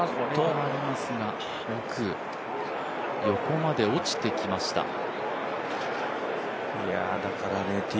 横まで落ちてきました。